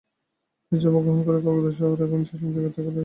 তিনি জন্মগ্রহণ করেন কলকাতা শহরে আর শেষনিশ্বাস ত্যাগ করেন এই শহরেই।